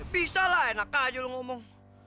bisa lah enak aja lu ngomong